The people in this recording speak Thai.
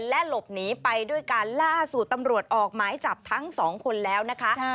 และหลบหนีไปด้วยการล่าสุดตำรวจออกหมายจับทั้งสองคนแล้วนะคะ